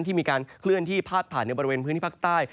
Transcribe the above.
ที่มีการเคลื่อนที่พาดผ่านในบริเวณพื้นที่ภาคใต้